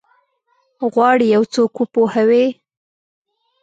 غواړي یو څوک وپوهوي؟